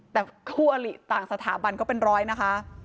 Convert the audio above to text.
แต่คู่อลิต่างสถาบันก็เป็นร้อยนะคะ